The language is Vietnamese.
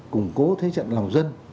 củng cố thế trận lòng dân